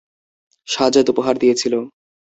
সাজ্জাদ উপহার দিয়েছিল।